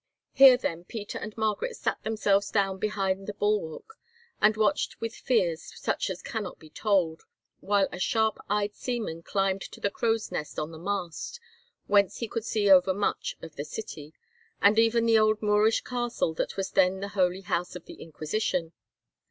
Here, then, Peter and Margaret sat themselves down behind the bulwark, and watched with fears such as cannot be told, while a sharp eyed seaman climbed to the crow's nest on the mast, whence he could see over much of the city, and even the old Moorish castle that was then the Holy House of the Inquisition.